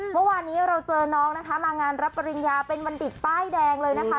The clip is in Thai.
เมื่อวานนี้เราเจอน้องนะคะมางานรับปริญญาเป็นบัณฑิตป้ายแดงเลยนะคะ